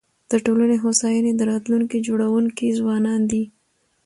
د ټولني د هوساینې د راتلونکي جوړونکي ځوانان دي.